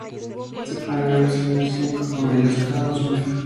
Se planea recibir a cinco familias cada dos meses.